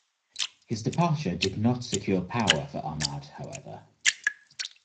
His departure did not secure power for Ahmad however.